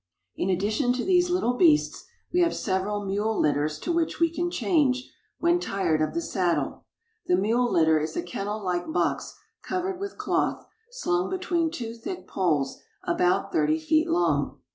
In addition to these little beasts, we have several mule litters to which we can change, when tired of the saddle. The mule litter is a kennel like box covered with cloth, slung between two thick poles about thirty feet long.